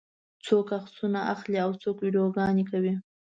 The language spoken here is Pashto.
څوک عکسونه اخلي او څوک ویډیوګانې کوي.